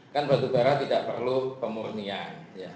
kan batu bara tidak perlu pemurnian